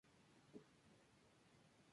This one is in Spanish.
Comúnmente habita en turberas de sphagnum.